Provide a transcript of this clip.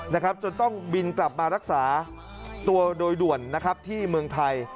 นะครับจนต้องบินกลับมารักษาตัวโดยด่วนนะครับที่เมืองไทย